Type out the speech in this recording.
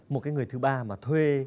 một cái người thứ ba mà thuê